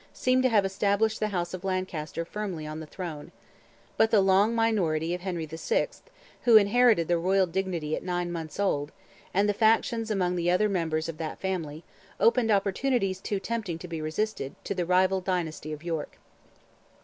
seem to have established the house of Lancaster firmly on the throne; but the long minority of Henry VI.—who inherited the royal dignity at nine months old—and the factions among the other members of that family, opened opportunities, too tempting to be resisted, to the rival dynasty of York.